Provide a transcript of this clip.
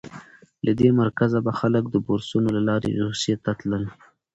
له دې مرکزه به خلک د بورسونو له لارې روسیې ته تلل.